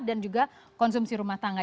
dan juga konsumsi rumah tangga